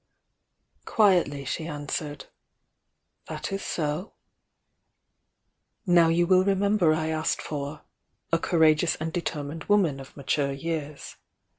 Quietly she answered: "That is so." "1 ow you will remember I asked for 'a courageous and determined woman of mature years.'